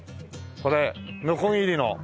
これのこぎりの。